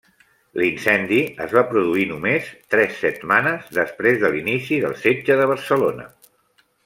L'incendi es va produir només tres setmanes després de l'inici del Setge de Barcelona.